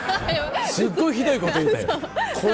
すっごいひどいこと言うたやん